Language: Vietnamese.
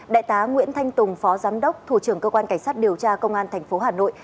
đại tá nguyễn thanh tùng phó giám đốc thủ trưởng cơ quan cảnh sát điều tra công an tp hà nội